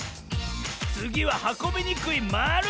つぎははこびにくいまる！